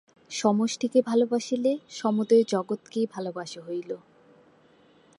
সমষ্টিকে ভালবাসিলে সমুদয় জগৎকেই ভালবাসা হইল।